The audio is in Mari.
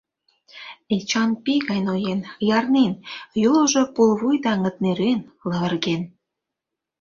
Эчан пий гай ноен, ярнен, йолжо пулвуй даҥыт нӧрен, лавырген.